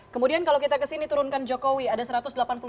kemudian kalau kita kesini turunkan jokowi ada satu ratus delapan puluh persen